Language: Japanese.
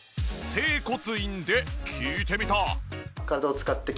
整骨院で聞いてみた！